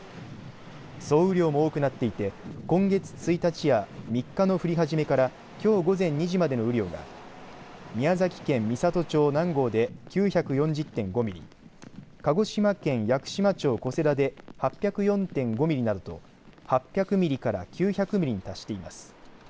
総雨量も多くなっていて今月１日や３日の降り始めからきょう午前２時までの雨量が、宮崎県美郷町南郷で９４０．５ミリ、鹿児島県屋久島町小瀬田で８０４．５ミリなどと８００ミリから９００ミリに達しています。